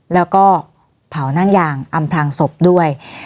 แล้วก็เผานั่งยางอำพลางศพด้วย